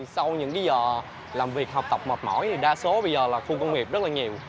sau những giờ làm việc học tập mệt mỏi thì đa số bây giờ là khu công nghiệp rất là nhiều